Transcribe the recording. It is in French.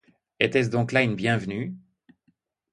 Était-ce donc là une bienvenue?